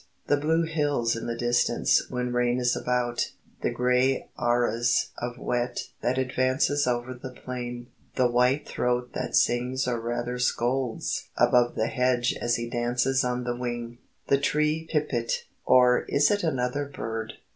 The blue hills in the distance when rain is about, the grey arras of wet that advances over the plain, the whitethroat that sings or rather scolds above the hedge as he dances on the wing, the tree pipit or is it another bird?